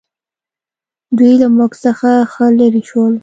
دوی له موږ څخه ښه لرې شول.